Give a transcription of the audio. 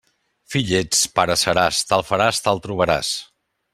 Fill ets, pare seràs; tal faràs, tal trobaràs.